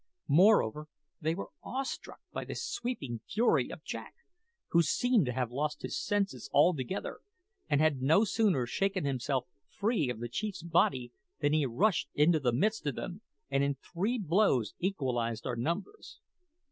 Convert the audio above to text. Moreover, they were awestruck by the sweeping fury of Jack, who seemed to have lost his senses altogether, and had no sooner shaken himself free of the chief's body than he rushed into the midst of them, and in three blows equalised our numbers.